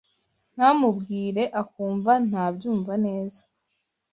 ntamubwire akumva ntabyumva neza.